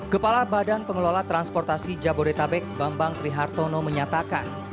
kepala badan pengelola transportasi jabodetabek bambang trihartono menyatakan